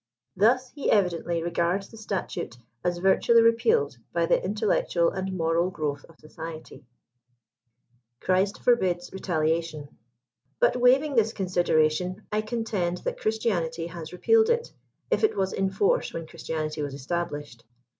Thus he evidently regards the statute as virtually repealed by the intellectual and moral growth of Society. 140 CHRIST FORBIDS RETALIATION. But, waiving this consideration, I contend that Christianity has repealed it, if it was in force when Christianity was estab lished.